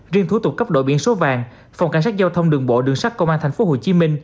riêng thủ tục cấp đổi biển số vàng phòng cảnh sát giao thông đường bộ đường sát công an tp hcm